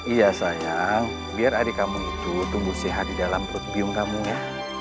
iya sayang biar adik kamu itu tumbuh sehat di dalam perut bium kamu ya